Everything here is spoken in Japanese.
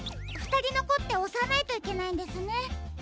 ふたりのこっておさないといけないんですね。